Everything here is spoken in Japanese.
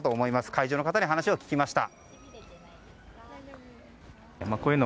会場の方に話を聞きました。